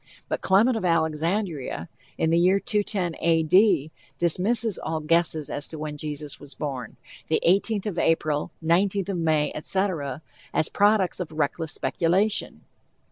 But Clement of Alexandria, in the year 210 A. D., dismisses all guesses as to when Jesus was born, the 18th of April, 19th of May, etc., as products of reckless speculation.